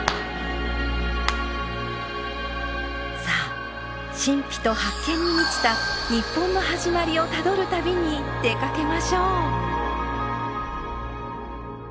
さあ神秘と発見に満ちた日本の始まりをたどる旅に出かけましょう！